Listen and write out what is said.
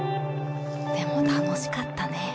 でも楽しかったね。